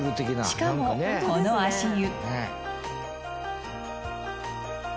しかもこの足湯。